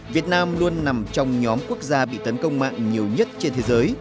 việt nam luôn nằm trong nhóm quốc gia bị tấn công mạng nhiều nhất trên thế giới